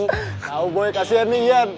tau boy kasian nih ian